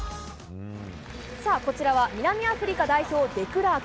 さあ、こちらは南アフリカ代表、デクラーク。